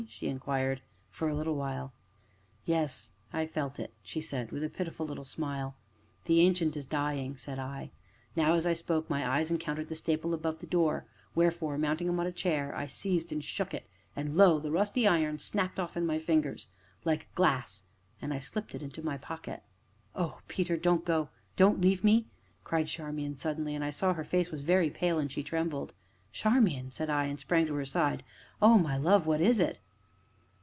she inquired. "For a little while." "Yes I I felt it," she said, with a pitiful little smile. "The Ancient is dying," said I. Now, as I spoke, my eyes encountered the staple above the door, wherefore, mounting upon a chair, I seized and shook it. And lo! the rusty iron snapped off in my fingers like glass, and I slipped it into my pocket. "Oh, Peter! don't go don't leave me!" cried Charmian suddenly, and I saw that her face was very pale, and that she trembled. "Charmian!" said I, and sprang to her side. "Oh, my love! what is it?"